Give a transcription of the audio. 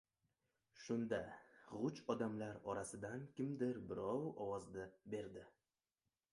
Shunda, g‘uj odamlar orasidan kimdir birov ovoz berdi.